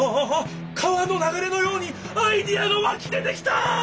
川のながれのようにアイデアがわき出てきた！